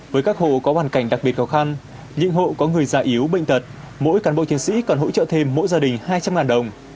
với các hộ có hoàn cảnh đặc biệt khó khăn những hộ có người già yếu bệnh tật mỗi cán bộ chiến sĩ còn hỗ trợ thêm mỗi gia đình hai trăm linh đồng